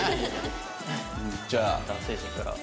じゃあ男性陣から。